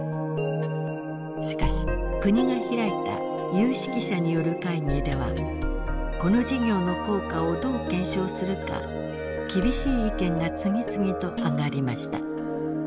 しかし国が開いた有識者による会議ではこの事業の効果をどう検証するか厳しい意見が次々と挙がりました。